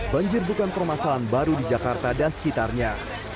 banjir bukan permasalahan baru di jakarta dan sekitarnya